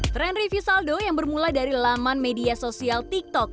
tren review saldo yang bermula dari laman media sosial tiktok